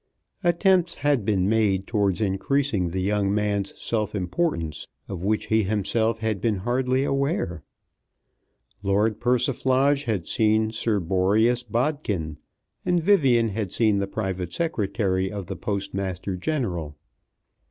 Attempts had been made towards increasing the young man's self importance, of which he himself had been hardly aware. Lord Persiflage had seen Sir Boreas Bodkin, and Vivian had seen the private secretary of the Postmaster General.